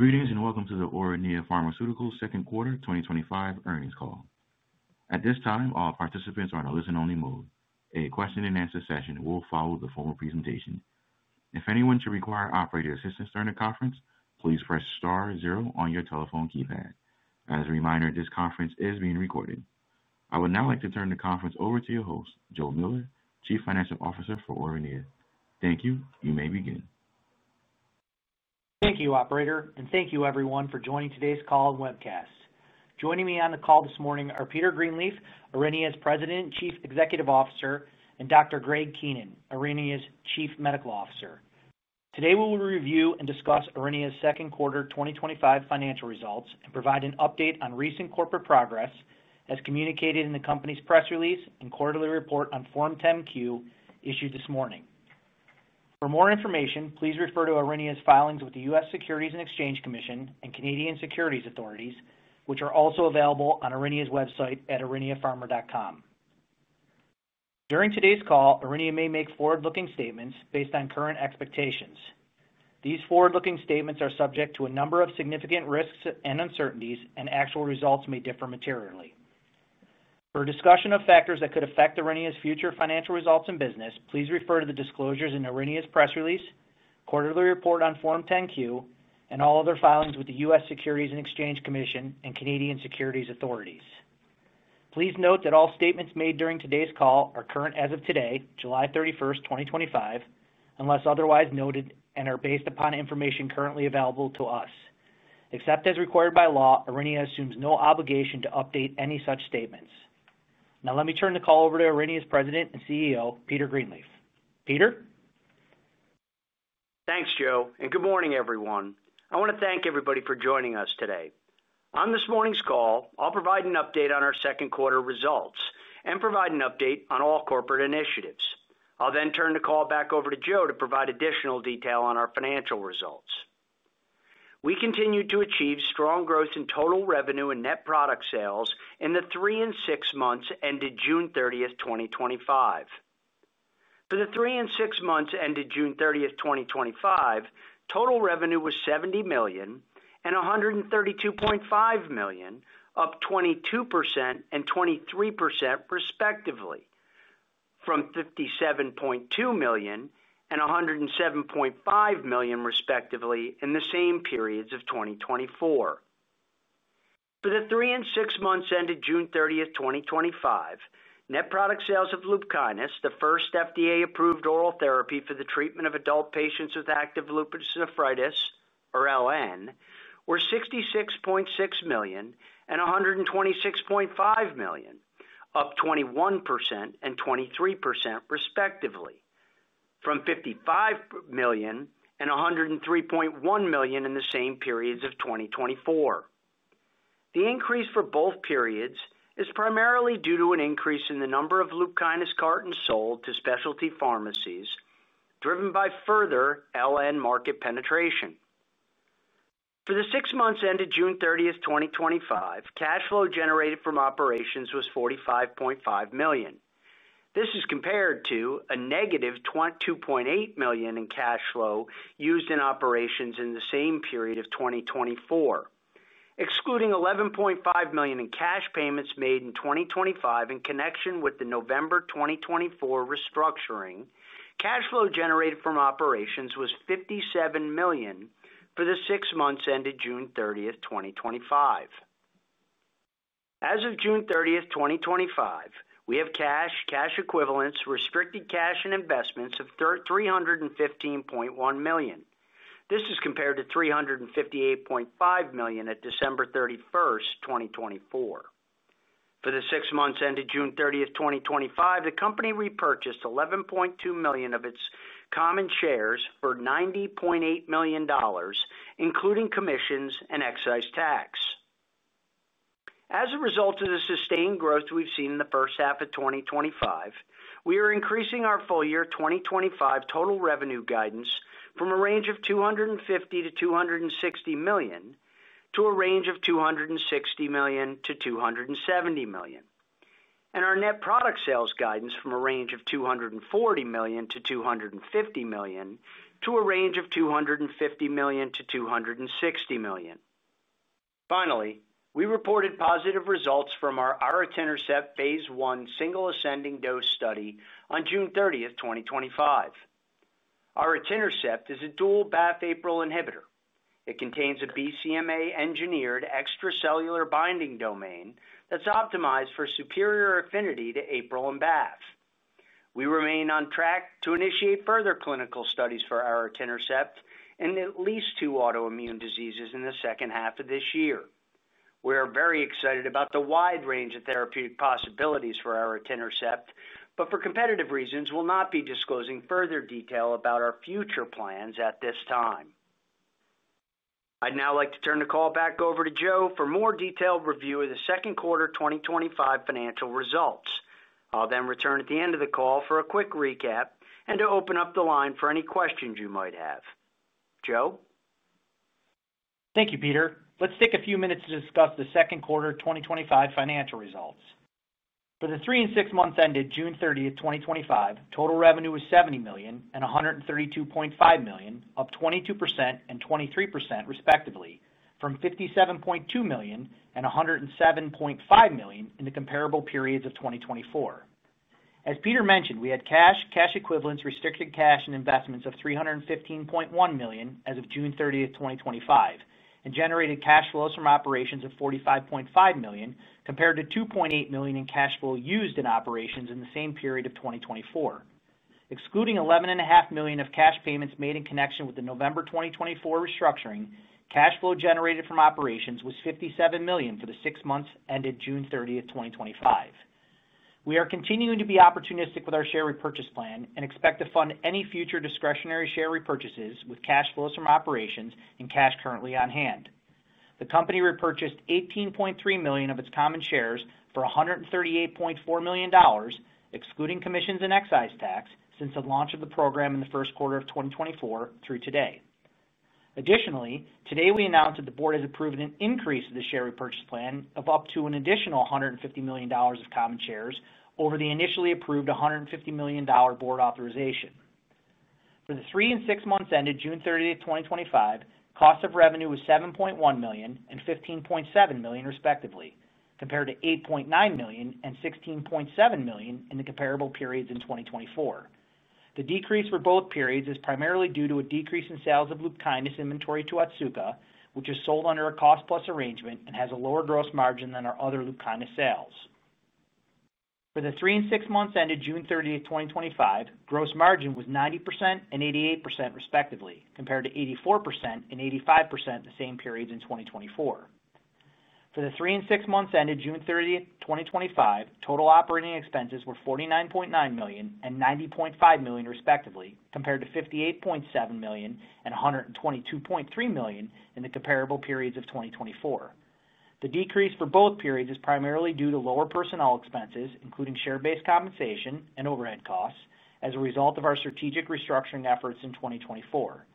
Good evening and welcome to the Aurinia Pharmaceuticals Second Quarter 2025 earnings call. At this time, all participants are in a listen-only mode. A question-and-answer session will follow the formal presentation. If anyone should require operator assistance during the conference, please press *0 on your telephone keypad. As a reminder, this conference is being recorded. I would now like to turn the conference over to your host, Joe Miller, Chief Financial Officer for Aurinia. Thank you. You may begin. Thank you, Operator, and thank you everyone for joining today's call and webcast. Joining me on the call this morning are Peter Greenleaf, Aurinia's President, Chief Executive Officer, and Dr. Greg Keenan, Aurinia's Chief Medical Officer. Today, we will review and discuss Aurinia's second quarter 2025 financial results and provide an update on recent corporate progress, as communicated in the company's press release and quarterly report on Form 10-Q issued this morning. For more information, please refer to Aurinia's filings with the U.S. Securities and Exchange Commission and Canadian Securities Authorities, which are also available on Aurinia's website at auriniapharma.com. During today's call, Aurinia may make forward-looking statements based on current expectations. These forward-looking statements are subject to a number of significant risks and uncertainties, and actual results may differ materially. For a discussion of factors that could affect Aurinia's future financial results and business, please refer to the disclosures in Aurinia's press release, quarterly report on Form 10-Q, and all other filings with the U.S. Securities and Exchange Commission and Canadian Securities Authorities. Please note that all statements made during today's call are current as of today, July 31st, 2025, unless otherwise noted and are based upon information currently available to us. Except as required by law, Aurinia assumes no obligation to update any such statements. Now, let me turn the call over to Aurinia's President and CEO, Peter Greenleaf. Peter? Thanks, Joe, and good morning, everyone. I want to thank everybody for joining us today. On this morning's call, I'll provide an update on our second quarter results and provide an update on all corporate initiatives. I'll then turn the call back over to Joe to provide additional detail on our financial results. We continued to achieve strong growth in total revenue and net product sales in the three and six months ended June 30th, 2025. For the three and six months ended June 30th, 2025, total revenue was $70 million and $132.5 million, up 22% and 23%, respectively, from $57.2 million and $107.5 million, respectively, in the same periods of 2024. For the three and six months ended June 30th, 2025, net product sales of LUPKYNIS, the first FDA-approved oral therapy for the treatment of adult patients with active lupus nephritis, or LN, were $66.6 million and $126.5 million, up 21% and 23%, respectively, from $55 million and $103.1 million in the same periods of 2024. The increase for both periods is primarily due to an increase in the number of LUPKYNIS cartons sold to specialty pharmacies, driven by further LN market penetration. For the six months ended June 30th, 2025, cash flow generated from operations was $45.5 million. This is compared to a - $2.8 million in cash flow used in operations in the same period of 2024. Excluding $11.5 million in cash payments made in 2025 in connection with the November 2024 restructuring, cash flow generated from operations was $57 million for the six months ended June 30th, 2025. As of June 30th, 2025, we have cash, cash equivalents, restricted cash, and investments of $315.1 million. This is compared to $358.5 million at December 31st, 2024. For the six months ended June 30th, 2025, the company repurchased $11.2 million of its common shares for $90.8 million, including commissions and excise tax. As a result of the sustained growth we've seen in the first half of 2025, we are increasing our full-year 2025 total revenue guidance from a range of $250 million - $260 million to a range of $260 million - $270 million, and our net product sales guidance from a range of $240 million - $250 million to a range of $250 million - $260 million. Finally, we reported positive results from our Aritinercept phase I single ascending dose study on June 30th, 2025. Aritinercept is a dual-BAFF/APRIL inhibitor. It contains a BCMA-engineered extracellular binding domain that's optimized for superior affinity to APRIL and BAFF. We remain on track to initiate further clinical studies for Aritinercept in at least two autoimmune diseases in the second half of this year. We are very excited about the wide range of therapeutic possibilities for Aritinercept, but for competitive reasons, we'll not be disclosing further detail about our future plans at this time. I'd now like to turn the call back over to Joe for a more detailed review of the second quarter 2025 financial results. I'll then return at the end of the call for a quick recap and to open up the line for any questions you might have. Joe? Thank you, Peter. Let's take a few minutes to discuss the second quarter 2025 financial results. For the three and six months ended June 30, 2025, total revenue was $70 million and $132.5 million, up 22% and 23% respectively, from $57.2 million and $107.5 million in the comparable periods of 2024. As Peter mentioned, we had cash, cash equivalents, restricted cash, and investments of $315.1 million as of June 30, 2025, and generated cash flow from operations of $45.5 million compared to $2.8 million in cash flow used in operations in the same period of 2024. Excluding $11.5 million of cash payments made in connection with the November 2024 restructuring, cash flow generated from operations was $57 million for the six months ended June 30, 2025. We are continuing to be opportunistic with our share repurchase plan and expect to fund any future discretionary share repurchases with cash flow from operations and cash currently on hand. The company repurchased 18.3 million of its common shares for $138.4 million, excluding commissions and excise tax, since the launch of the program in the first quarter of 2024 through today. Additionally, today we announced that the board has approved an increase of the share repurchase plan of up to an additional $150 million of common shares over the initially approved $150 million board authorization. For the three and six months ended June 30, 2025, cost of revenue was $7.1 million and $15.7 million, respectively, compared to $8.9 million and $16.7 million in the comparable periods in 2024. The decrease for both periods is primarily due to a decrease in sales of LUPKYNIS inventory to Otsuka, which is sold under a cost-plus arrangement and has a lower gross margin than our other LUPKYNIS sales. For the three and six months ended June 30, 2025, gross margin was 90% and 88% respectively, compared to 84% and 85% in the same periods in 2024. For the three and six months ended June 30, 2025, total operating expenses were $49.9 million and $90.5 million, respectively, compared to $58.7 million and $122.3 million in the comparable periods of 2024. The decrease for both periods is primarily due to lower personnel expenses, including share-based compensation and overhead costs, as a result of our strategic restructuring efforts in 2024.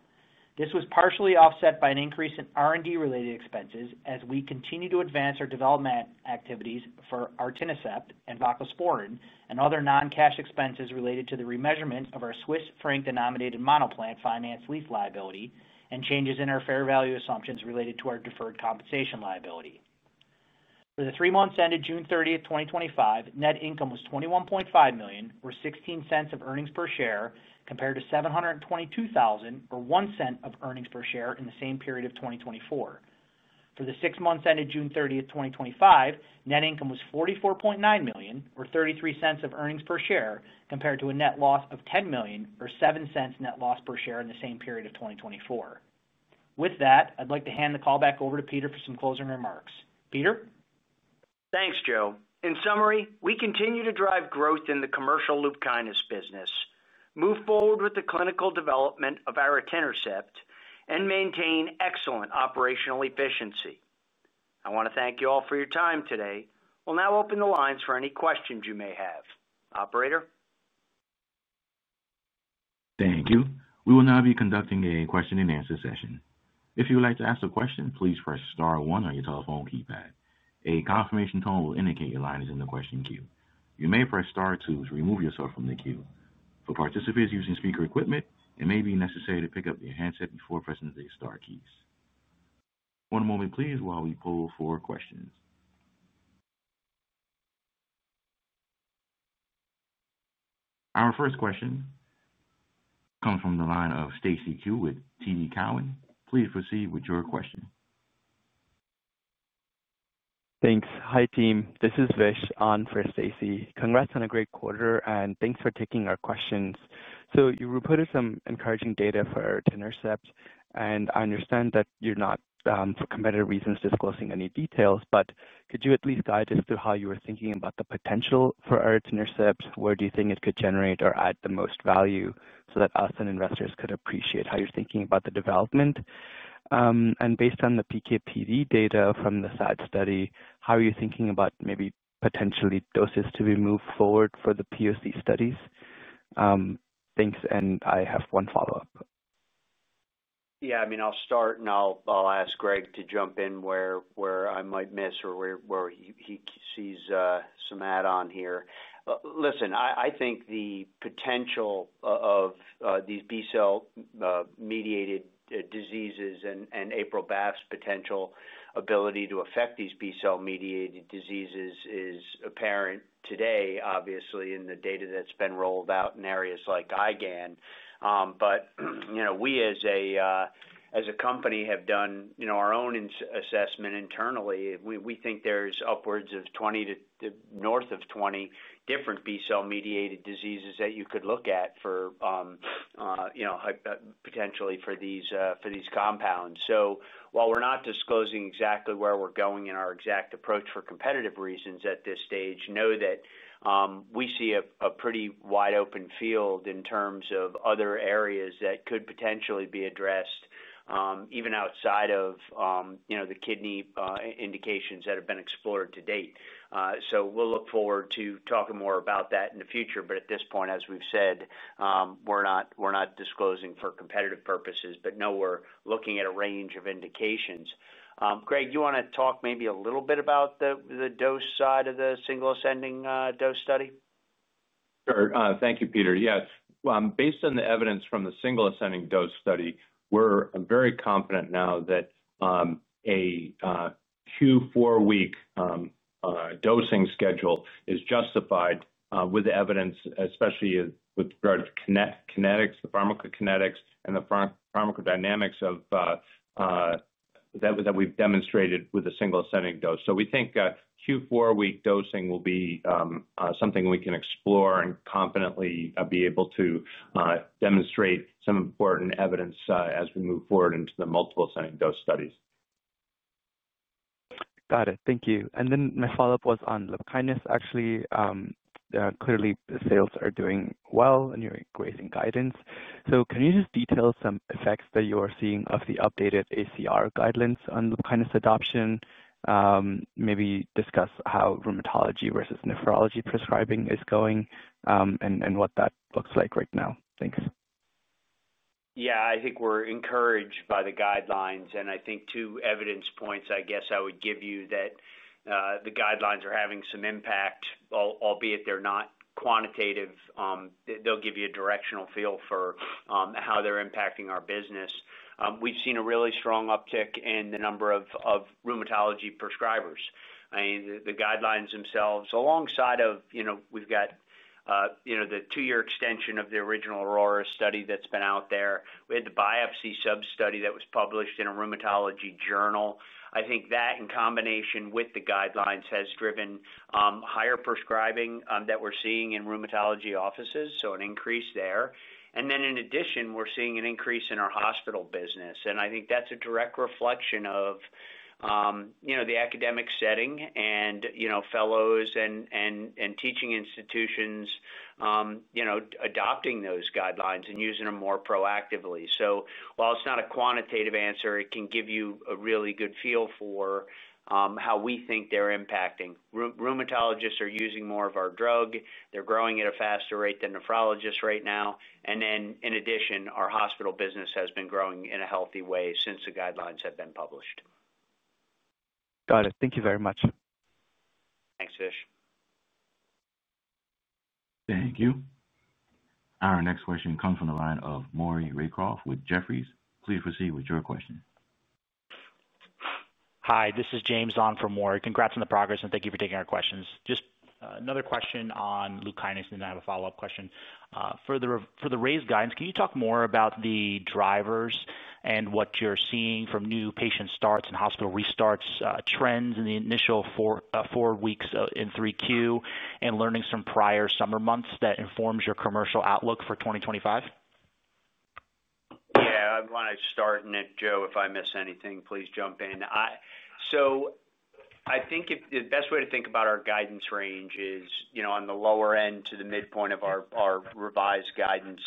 This was partially offset by an increase in R&D-related expenses as we continue to advance our development activities for Aritinercept and other non-cash expenses related to the remeasurement of our Swiss franc-denominated monoplant finance lease liability and changes in our fair value assumptions related to our deferred compensation liability. For the three months ended June 30, 2025, net income was $21.5 million, or $0.16 of earnings per share, compared to $722,000, or $0.01 of earnings per share in the same period of 2024. For the six months ended June 30, 2025, net income was $44.9 million, or $0.33 of earnings per share, compared to a net loss of $10 million, or $0.07 net loss per share in the same period of 2024. With that, I'd like to hand the call back over to Peter for some closing remarks. Peter? Thanks, Joe. In summary, we continue to drive growth in the commercial LUPKYNIS business, move forward with the clinical development of Aritinercept, and maintain excellent operational efficiency. I want to thank you all for your time today. We'll now open the lines for any questions you may have. Operator? Thank you. We will now be conducting a question-and-answer session. If you would like to ask a question, please press * one on your telephone keypad. A confirmation tone will indicate your line is in the question queue. You may press * two to remove yourself from the queue. For participants using speaker equipment, it may be necessary to pick up your headset before pressing the * key. One moment, please, while we pull for questions. Our first question comes from the line of Stacy Ku with TD Cowen. Please proceed with your question. Thanks. Hi, team. This is Vishwesh Shah for Stacy. Congrats on a great quarter and thanks for taking our questions. You reported some encouraging data for Aritinercept, and I understand that you're not for competitive reasons disclosing any details, but could you at least guide us through how you were thinking about the potential for Aritinercept? Where do you think it could generate or add the most value so that us and investors could appreciate how you're thinking about the development? Based on the PKPV data from the SAD study, how are you thinking about maybe potentially doses to be moved forward for the POC studies? Thanks, and I have one follow-up. Yeah, I mean, I'll start and I'll ask Greg to jump in where I might miss or where he sees some add-on here. Listen, I think the potential of these B-cell-mediated diseases and APRIL/BAFF's potential ability to affect these B-cell-mediated diseases is apparent today, obviously, in the data that's been rolled out in areas like IgAN. We as a company have done our own assessment internally. We think there's upwards of 20 to north of 20 different B-cell-mediated diseases that you could look at potentially for these compounds. While we're not disclosing exactly where we're going in our exact approach for competitive reasons at this stage, know that we see a pretty wide open field in terms of other areas that could potentially be addressed even outside of the kidney indications that have been explored to date. We'll look forward to talking more about that in the future, but at this point, as we've said, we're not disclosing for competitive purposes, but know we're looking at a range of indications. Greg, do you want to talk maybe a little bit about the dose side of the single ascending dose study? Sure. Thank you, Peter. Yes. Based on the evidence from the single ascending dose study, we're very confident now that a Q4 week dosing schedule is justified with the evidence, especially with regard to kinetics, the pharmacokinetics, and the pharmacodynamics that we've demonstrated with a single ascending dose. We think Q4 week dosing will be something we can explore and confidently be able to demonstrate some important evidence as we move forward into the multiple ascending dose studies. Got it. Thank you. My follow-up was on LUPKYNIS. Actually, clearly, the sales are doing well and you're raising guidance. Can you just detail some effects that you are seeing of the updated ACR guidelines on LUPKYNIS adoption? Maybe discuss how rheumatology versus nephrology prescribing is going, and what that looks like right now. Thanks. Yeah, I think we're encouraged by the guidelines, and I think two evidence points I would give you that the guidelines are having some impact, albeit they're not quantitative. They'll give you a directional feel for how they're impacting our business. We've seen a really strong uptick in the number of rheumatology prescribers. I mean, the guidelines themselves, alongside of, you know, we've got the two-year extension of the original Aurora study that's been out there. We had the biopsy sub-study that was published in a rheumatology journal. I think that, in combination with the guidelines, has driven higher prescribing that we're seeing in rheumatology offices, so an increase there. In addition, we're seeing an increase in our hospital business, and I think that's a direct reflection of the academic setting and fellows and teaching institutions adopting those guidelines and using them more proactively. While it's not a quantitative answer, it can give you a really good feel for how we think they're impacting. Rheumatologists are using more of our drug. They're growing at a faster rate than nephrologists right now. In addition, our hospital business has been growing in a healthy way since the guidelines have been published. Got it. Thank you very much. Thanks, Vish. Thank you. Our next question comes from the line of Maury Raycroft with Jefferies. Please proceed with your question. Hi, this is James from Maury Raycroft. Congrats on the progress and thank you for taking our questions. Just another question on LUPKYNIS, and then I have a follow-up question. For the raised guidance, can you talk more about the drivers and what you're seeing from new patient starts and hospital restarts, trends in the initial four weeks in 3Q, and learnings from prior summer months that inform your commercial outlook for 2025? Yeah, I want to start, and if Joe, if I miss anything, please jump in. I think the best way to think about our guidance range is, you know, on the lower end to the midpoint of our revised guidance,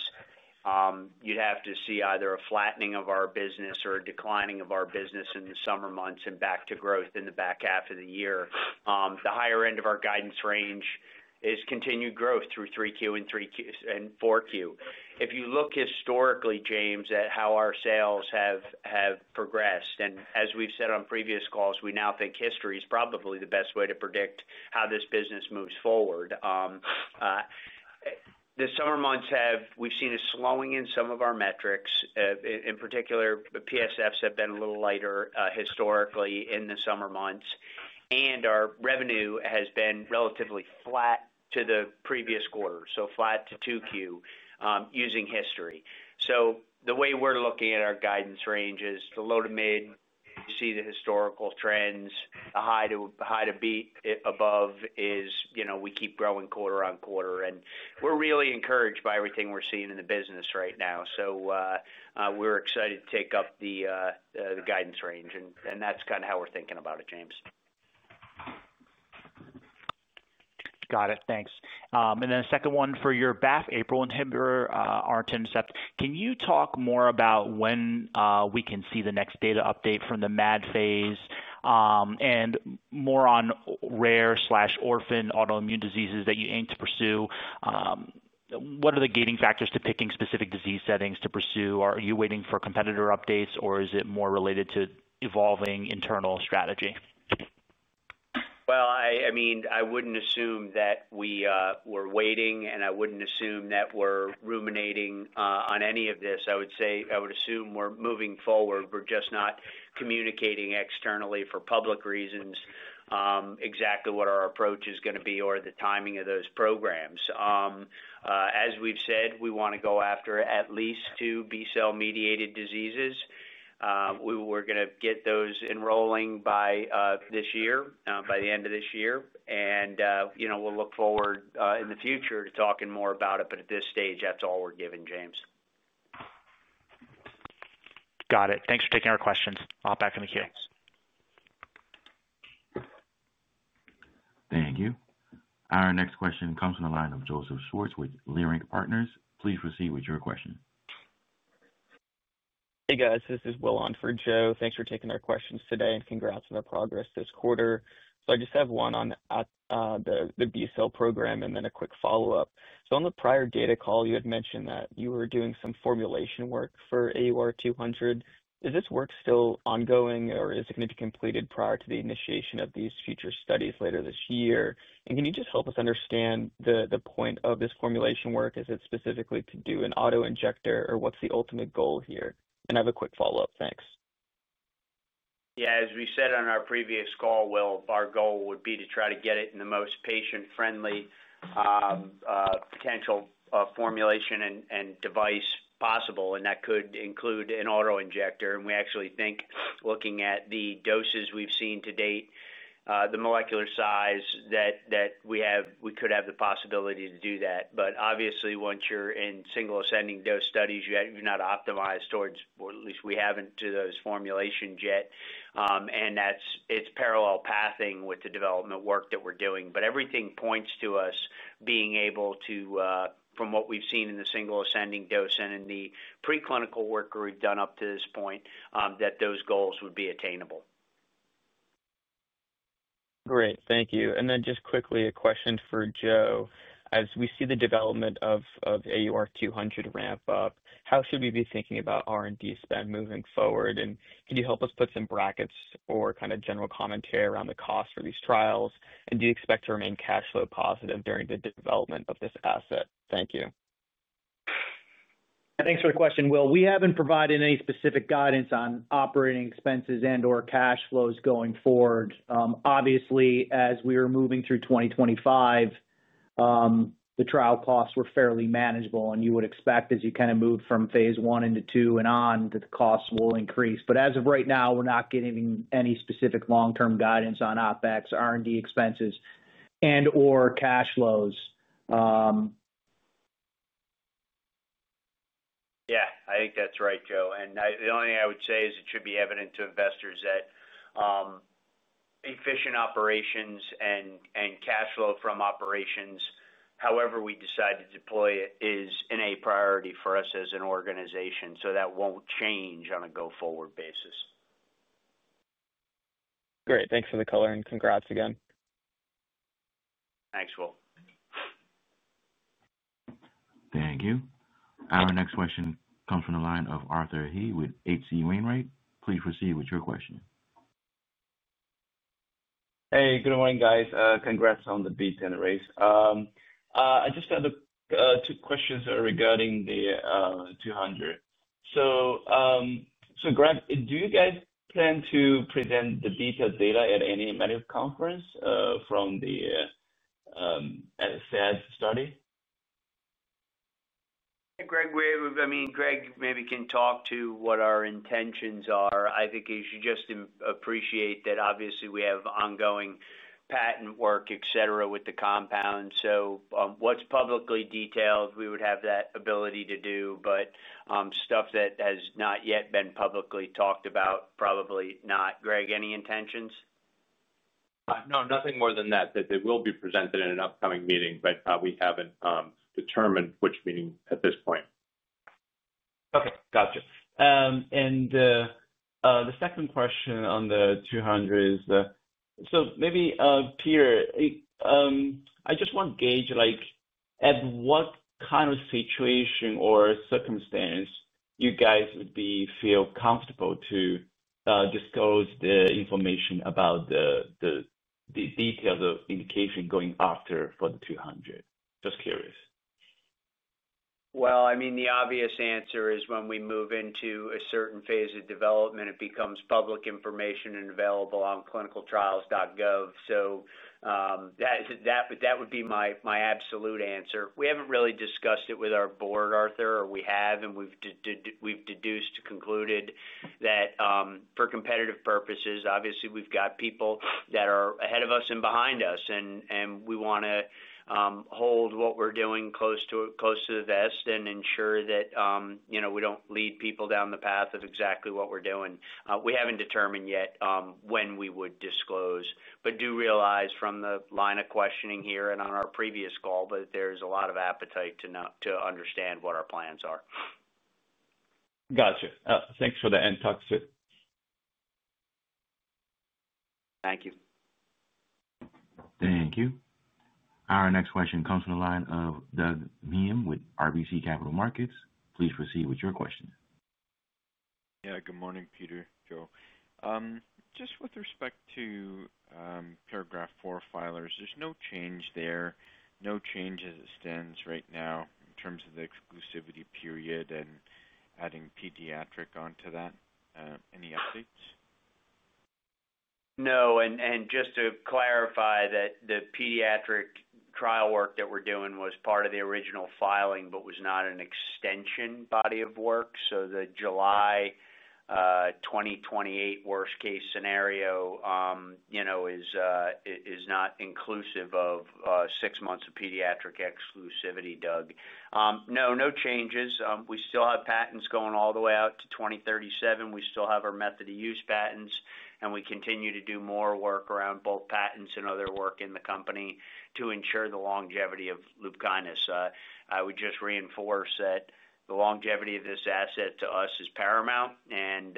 you'd have to see either a flattening of our business or a declining of our business in the summer months and back to growth in the back half of the year. The higher end of our guidance range is continued growth through 3Q and 4Q. If you look historically, James, at how our sales have progressed, and as we've said on previous calls, we now think history is probably the best way to predict how this business moves forward. The summer months have, we've seen a slowing in some of our metrics. In particular, PSFs have been a little lighter historically in the summer months, and our revenue has been relatively flat to the previous quarter, so flat to 2Q using history. The way we're looking at our guidance range is the low to mid, you see the historical trends, the high to beat above is, you know, we keep growing quarter on quarter, and we're really encouraged by everything we're seeing in the business right now. We're excited to take up the guidance range, and that's kind of how we're thinking about it, James. Got it. Thanks. A second one for your BAFF/APRIL inhibitor, Aritinercept. Can you talk more about when we can see the next data update from the MAD phase and more on rare/orphan autoimmune diseases that you aim to pursue? What are the gating factors to picking specific disease settings to pursue? Are you waiting for competitor updates, or is it more related to evolving internal strategy? I wouldn't assume that we're waiting, and I wouldn't assume that we're ruminating on any of this. I would say, I would assume we're moving forward. We're just not communicating externally for public reasons exactly what our approach is going to be or the timing of those programs. As we've said, we want to go after at least two B-cell-mediated diseases. We're going to get those rolling by this year, by the end of this year, and you know, we'll look forward in the future to talking more about it. At this stage, that's all we're given, James. Got it. Thanks for taking our questions. I'll hop back in the queue. Thank you. Our next question comes from the line of Joseph Schwartz with Leerink Partners. Please proceed with your question. Hey guys, this is Will Devroe Soghikian for Joe Miller. Thanks for taking our questions today and congrats on the progress this quarter. I just have one on the B-cell program and then a quick follow-up. On the prior data call, you had mentioned that you were doing some formulation work for Aritinercept. Is this work still ongoing, or is it going to be completed prior to the initiation of these future studies later this year? Can you just help us understand the point of this formulation work? Is it specifically to do an autoinjector, or what's the ultimate goal here? I have a quick follow-up. Thanks. Yeah, as we said on our previous call, Will, our goal would be to try to get it in the most patient-friendly potential formulation and device possible, and that could include an autoinjector. We actually think looking at the doses we've seen to date, the molecular size that we have, we could have the possibility to do that. Obviously, once you're in single ascending dose studies, you're not optimized towards, or at least we haven't to those formulations yet. That's its parallel pathing with the development work that we're doing. Everything points to us being able to, from what we've seen in the single ascending dose and in the preclinical work we've done up to this point, that those goals would be attainable. Great. Thank you. Just quickly a question for Joe. As we see the development of Aritinercept ramp up, how should we be thinking about R&D spend moving forward? Can you help us put some brackets or kind of general commentary around the cost for these trials? Do you expect to remain cash flow positive during the development of this asset? Thank you. Thanks for the question, Will. We haven't provided any specific guidance on operating expenses and/or cash flows going forward. Obviously, as we were moving through 2025, the trial costs were fairly manageable, and you would expect as you kind of move from phase I into II and on that the costs will increase. As of right now, we're not giving any specific long-term guidance on OpEx, R&D expenses, and/or cash flows. Yeah, I think that's right, Joe. The only thing I would say is it should be evident to investors that efficient operations and cash flow from operations, however we decide to deploy it, is a priority for us as an organization. That won't change on a go-forward basis. Great. Thanks for the color and congrats again. Thanks, Will. Thank you. Our next question comes from the line of Arthur He with H.C. Wainwright. Please proceed with your question. Hey, good morning, guys. Congrats on the B10 raise. I just got the two questions regarding the AUR200. Greg, do you guys plan to present the detailed data at any medical conference from the SAS study? Hey, Greg, maybe Greg can talk to what our intentions are. I think as you just appreciate that obviously we have ongoing patent work, etc., with the compound. What's publicly detailed, we would have that ability to do, but stuff that has not yet been publicly talked about, probably not. Greg, any intentions? No, nothing more than that, that they will be presented in an upcoming meeting, but we haven't determined which meeting at this point. Okay. Gotcha. The second question on the 200 is, Peter, I just want to gauge at what kind of situation or circumstance you guys would feel comfortable to disclose the information about the details of indication going after for the 200. Just curious. I mean, the obvious answer is when we move into a certain phase of development, it becomes public information and available on clinicaltrials.gov. That would be my absolute answer. We haven't really discussed it with our board, Arthur, or we have, and we've deduced to conclude that for competitive purposes, obviously, we've got people that are ahead of us and behind us, and we want to hold what we're doing close to the vest and ensure that we don't lead people down the path of exactly what we're doing. We haven't determined yet when we would disclose, but do realize from the line of questioning here and on our previous call that there's a lot of appetite to understand what our plans are. Gotcha. Thanks for the context. Thank you. Thank you. Our next question comes from the line of Doug Miehm with RBC Capital Markets. Please proceed with your question. Yeah, good morning, Peter, Joe. Just with respect to ANDA paragraph IV filers, there's no change there, no change as it stands right now in terms of the exclusivity period and adding pediatric onto that. Any updates? No. Just to clarify, the pediatric trial work that we're doing was part of the original filing, but was not an extension body of work. The July 2028 worst-case scenario is not inclusive of six months of pediatric exclusivity, Doug. No changes. We still have patents going all the way out to 2037. We still have our method of use patents, and we continue to do more work around bulk patents and other work in the company to ensure the longevity of LUPKYNIS. I would just reinforce that the longevity of this asset to us is paramount, and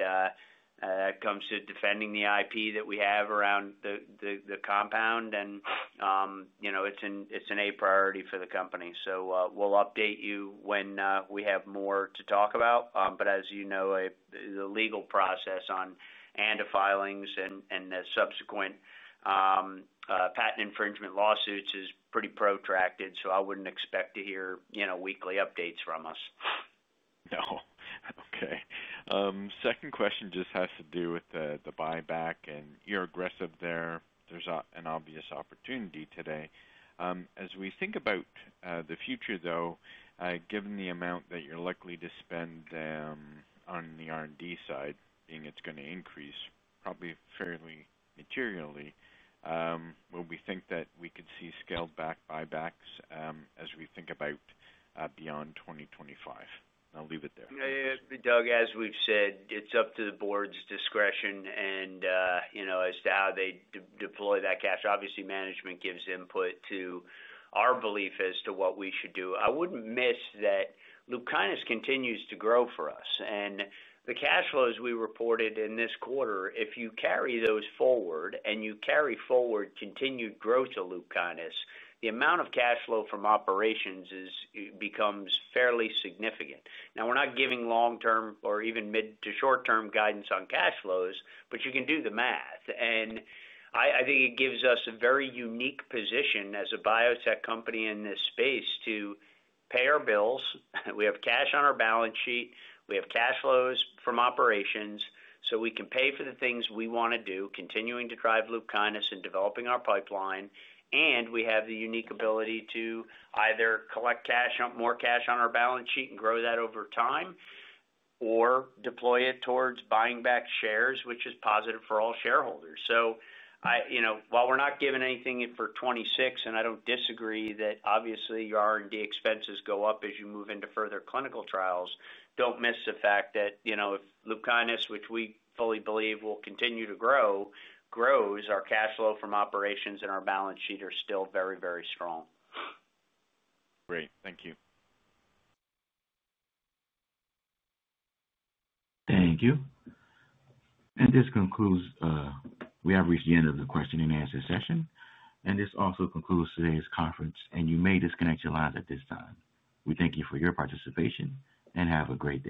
that comes to defending the IP that we have around the compound. It's an A priority for the company. We'll update you when we have more to talk about. As you know, the legal process on ANDA paragraph IV filers and the subsequent patent infringement lawsuits is pretty protracted, so I wouldn't expect to hear weekly updates from us. No. Okay. Second question just has to do with the buyback, and you're aggressive there. There's an obvious opportunity today. As we think about the future, though, given the amount that you're likely to spend on the R&D side, being it's going to increase probably fairly materially, will we think that we could see scaled-back buybacks as we think about beyond 2025? I'll leave it there. Doug, as we've said, it's up to the board's discretion and, you know, as to how they deploy that cash. Obviously, management gives input to our belief as to what we should do. I wouldn't miss that LUPKYNIS continues to grow for us. The cash flows we reported in this quarter, if you carry those forward and you carry forward continued growth of LUPKYNIS, the amount of cash flow from operations becomes fairly significant. We're not giving long-term or even mid-to-short-term guidance on cash flows, but you can do the math. I think it gives us a very unique position as a biotech company in this space to pay our bills. We have cash on our balance sheet. We have cash flows from operations, so we can pay for the things we want to do, continuing to drive LUPKYNIS and developing our pipeline. We have the unique ability to either collect more cash on our balance sheet and grow that over time, or deploy it towards buying back shares, which is positive for all shareholders. While we're not giving anything for 2026, and I don't disagree that obviously your R&D expenses go up as you move into further clinical trials, don't miss the fact that, you know, if LUPKYNIS, which we fully believe will continue to grow, grows, our cash flow from operations and our balance sheet are still very, very strong. Great. Thank you. Thank you. This concludes, we have reached the end of the question-and-answer session. This also concludes today's conference, and you may disconnect your lines at this time. We thank you for your participation and have a great day.